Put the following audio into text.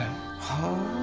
はあ。